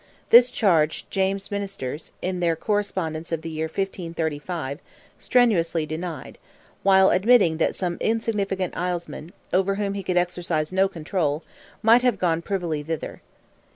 This charge James' ministers, in their correspondence of the year 1535, strenuously denied, while admitting that some insignificant Islesmen, over whom he could exercise no control, might have gone privily thither.